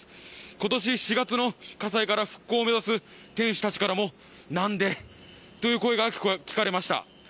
今年４月の火災から復興を目指す店主たちからもなんでという声が聞かれました。